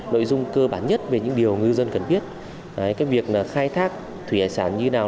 nội dung cơ bản nhất về những điều ngư dân cần biết là cái việc khai thác thủy hải sản như thế nào